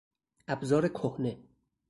ابزار کهنه